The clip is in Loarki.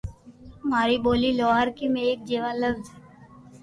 ماري ٻولي لوھارڪي ۾ ايڪ جيوا لفظ